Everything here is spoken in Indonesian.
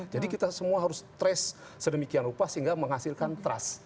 kita semua harus stres sedemikian rupa sehingga menghasilkan trust